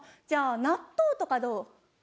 じゃあ納豆とかどう？